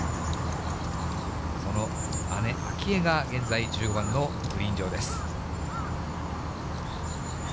その姉、明愛が現在、１５番のグリーン上です。